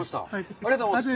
ありがとうございます。